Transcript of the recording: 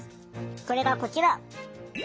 それがこちら！